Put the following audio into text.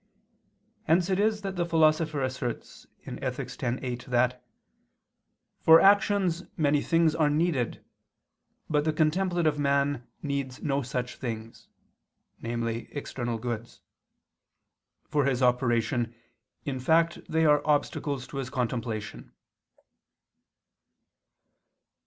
Hence it is that the Philosopher asserts (Ethic. x, 8) that "for actions many things are needed, but the contemplative man needs no such things," namely external goods, "for his operation; in fact they are obstacles to his contemplation."